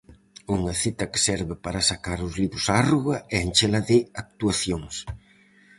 Unha cita que serve para sacar os libros á rúa, e enchela de actuacións.